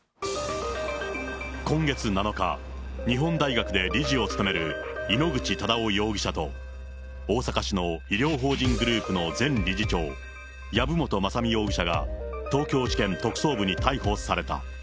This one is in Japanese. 今月７日、日本大学で理事を務める井ノ口忠男容疑者と大阪市の医療法人グループの前理事長、籔本雅巳容疑者が東京地検特捜部に逮捕された。